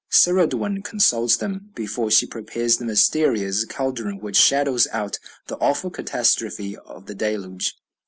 "Ceridwen consults them before she prepares the mysterious caldron which shadows out the awful catastrophe of the Deluge."